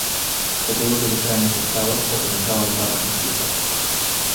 Se puede utilizar en ese estado o prensado en barras macizas.